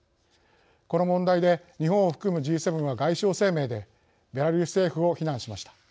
この問題で日本を含むＧ７は外相声明でベラルーシ政府を非難しました。